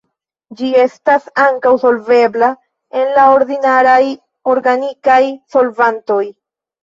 Ĝi estas ankaŭ solvebla en la ordinaraj organikaj solvantoj.